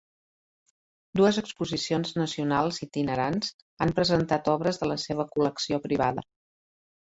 Dues exposicions nacionals itinerants han presentat obres de la seva col·lecció privada.